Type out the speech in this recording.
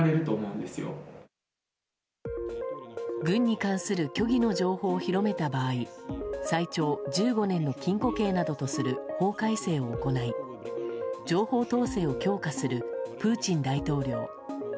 軍に関する虚偽の情報を広めた場合最長１５年の禁錮刑などとする法改正を行い情報統制を強化するプーチン大統領。